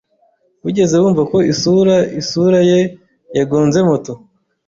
Wigeze wumva ko isura-isura ye yagonze moto?